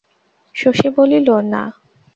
শশী বলিল, না।